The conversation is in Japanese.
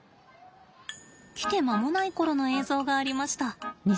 来て間もない頃の映像がありました。